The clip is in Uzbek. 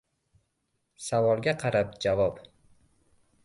• Savolga qarab javob.